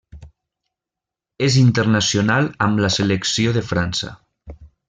És internacional amb la selecció de França.